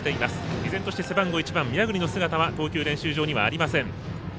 依然として背番号１番宮國の姿は投球練習場にはありません。